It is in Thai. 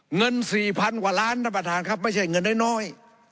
เงิน๔๐๐๐กว่าล้านท่านประธานครับไม่ใช่เงินน้อย